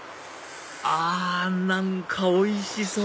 あ何かおいしそう！